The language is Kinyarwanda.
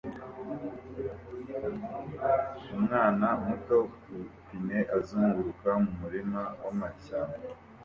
Umwana muto ku ipine azunguruka mu murima w'amashyamba